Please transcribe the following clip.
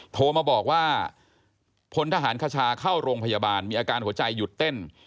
โทรมาบอกว่าพลทหารคชาเข้าโรงพยาบาลมีอาการหัวใจหยุดเต้น